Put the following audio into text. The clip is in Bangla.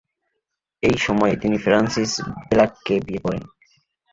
এই সময়ে তিনি ফ্রান্সিস ব্ল্যাককে বিয়ে করেন।